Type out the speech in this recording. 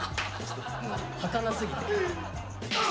もうはかなすぎて。